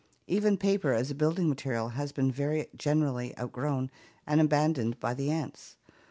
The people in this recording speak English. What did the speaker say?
Even paper as a building material has been very generally outgrown and abandoned by the ants.